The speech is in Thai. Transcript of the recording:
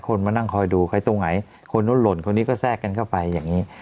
มานั่งคอยดูใครตรงไหนคนนู้นหล่นคนนี้ก็แทรกกันเข้าไปอย่างนี้